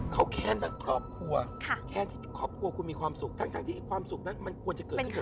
เขาแค้นทั้งครอบครัวแค้นที่ครอบครัวคุณมีความสุขทั้งที่ความสุขนั้นมันควรจะเกิดขึ้นกับ